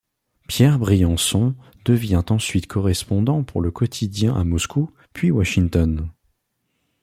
Pierre Briançon devient ensuite correspondant pour le quotidien à Moscou, puis Washington.